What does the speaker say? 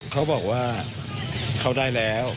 เขาบอกว่าเขาได้แล้ว